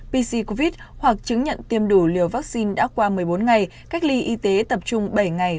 pc covid hoặc chứng nhận tiêm đủ liều vaccine đã qua một mươi bốn ngày cách ly y tế tập trung bảy ngày